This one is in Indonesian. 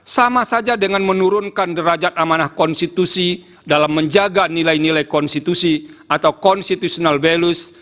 sama saja dengan menurunkan derajat amanah konstitusi dalam menjaga nilai nilai konstitusi atau constitutional values